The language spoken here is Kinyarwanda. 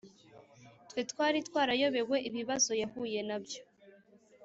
twe twari twarayobewe ibibazo yahuye nabyo